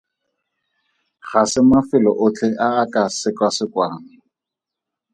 Ga se mafelo otlhe a a ka sekasekwang.